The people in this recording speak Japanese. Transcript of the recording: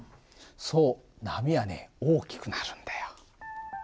そう波はね大きくなるんだよ。